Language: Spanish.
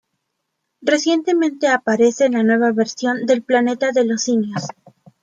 Recientemente aparece en la nueva versión del "Planeta de los Simios".